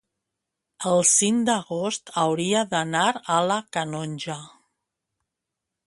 el cinc d'agost hauria d'anar a la Canonja.